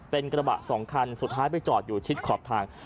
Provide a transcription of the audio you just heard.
เป็นกระบะสองคันสุดท้ายไปจอดอยู่ชิดขอบทาง